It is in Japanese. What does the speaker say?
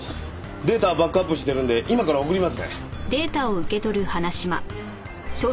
データバックアップしてるんで今から送りますね。